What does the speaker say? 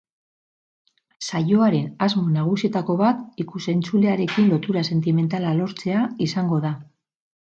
Saioaren asmo nagusietako bat ikus-entzulearekin lotura sentimentala lortzea izango da.